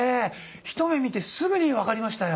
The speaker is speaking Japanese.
ひと目見てすぐに分かりましたよ。